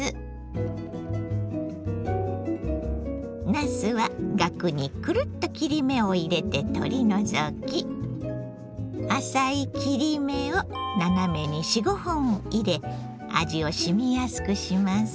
なすはガクにくるっと切り目を入れて取り除き浅い切り目を斜めに４５本入れ味をしみやすくします。